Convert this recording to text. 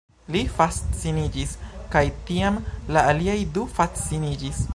Li fasciniĝis kaj tiam la aliaj du fasciniĝis